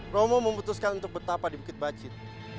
romo memutuskan untuk betapa di bukit bacit